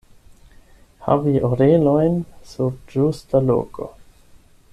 Havi orelojn sur ĝusta loko.